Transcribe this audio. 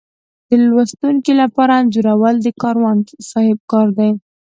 د لوستونکي لپاره انځورول د کاروان صاحب کار دی.